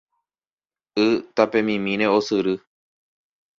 Y tapemimíre osyry